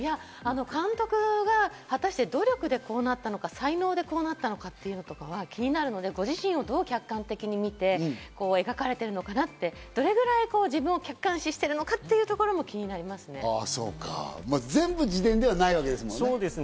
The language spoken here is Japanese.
監督が果たして努力でこうなったのか、才能でこうなったのか気になるので、ご自身をどう客観的に見て描かれているのか、どれぐらい自分を客観視しているのか、というところも気になりま全部自伝ではないわけですもんね。